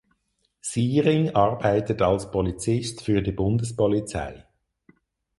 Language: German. Syring arbeitet als Polizist für die Bundespolizei.